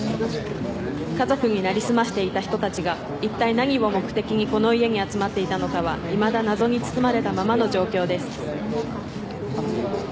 家族に成り済ましていた人たちがいったい何を目的にこの家に集まっていたのかはいまだ謎に包まれたままの状況です。